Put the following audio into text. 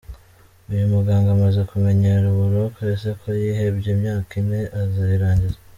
Uyu muganga amaze kumenyera uburoko! Ese ko yihebye imyaka ine azayirangiza ??.